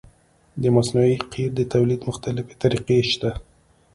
د مصنوعي قیر د تولید مختلفې طریقې شته